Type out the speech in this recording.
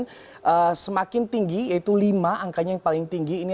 dan semakin tinggi yaitu lima angkanya yang paling tinggi